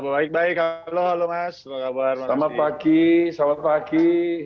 baik baik halo mas selamat pagi